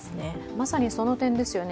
まさにその点ですよね。